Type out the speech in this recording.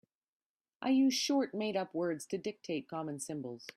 I use short made-up words to dictate common symbols.